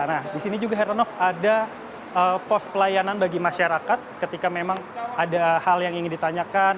nah di sini juga heranov ada pos pelayanan bagi masyarakat ketika memang ada hal yang ingin ditanyakan